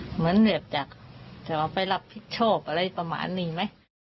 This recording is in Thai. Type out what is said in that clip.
เหมือนแบบอยากจะไปรับผิดชอบอะไรประมาณนี้ไหม